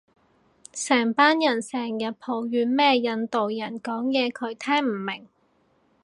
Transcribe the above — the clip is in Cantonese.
成班人成人抱怨咩印度人講嘢佢聽唔明